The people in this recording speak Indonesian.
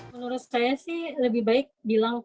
tahu harus bagaimana ya gitu terus